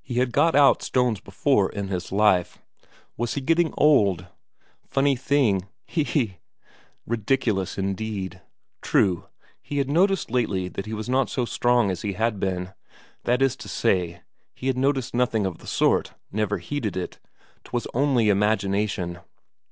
He had got out stones before in his life. Was he getting old? Funny thing, he he he! Ridiculous, indeed. True, he had noticed lately that he was not so strong as he had been that is to say, he had noticed nothing of the sort, never heeded it; 'twas only imagination.